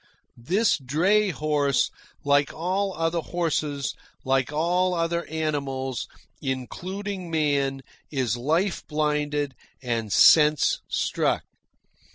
This dray horse, like all other horses, like all other animals, including man, is life blinded and sense struck.